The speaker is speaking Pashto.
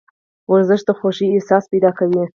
ورزش د خوښې احساس پیدا کوي.